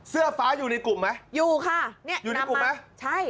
เสื้อฟ้าอยู่ในกลุ่มไหมอยู่ค่ะเนี่ยอยู่ในกลุ่มไหมใช่